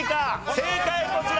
正解こちら！